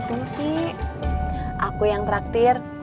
siapa sih aku yang traktir